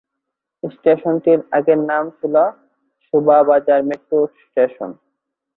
স্টেশনটির আগেকার নাম ছিল "শোভাবাজার মেট্রো স্টেশন"।